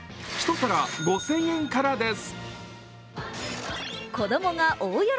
１皿５０００円からです。